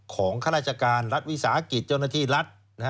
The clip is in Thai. ข้าราชการรัฐวิสาหกิจเจ้าหน้าที่รัฐ